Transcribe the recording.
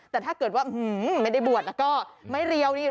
แต่ถ้าเกิดว่าไม่ได้บวชแล้วก็ไม่เรียวนี่